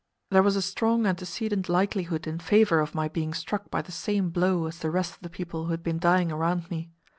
There was a strong antecedent likelihood in favour of my being struck by the same blow as the rest of the people who had been dying around me.